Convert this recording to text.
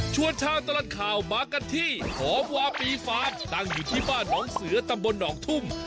ชาวตลอดข่าวมากันที่หอมวาปีฟาร์มตั้งอยู่ที่บ้านน้องเสือตำบลหนองทุ่ม